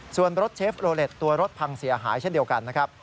ส่วนรถเชฟโลเล็ตตัวรถพังเสียหายเช่นเดียวกันนะครับ